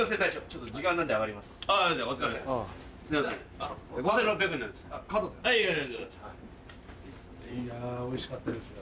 いやおいしかったです。